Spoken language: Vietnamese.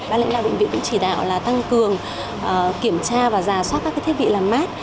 bác lãnh đạo bệnh viện cũng chỉ đạo là tăng cường kiểm tra và giả soát các thiết bị làm mát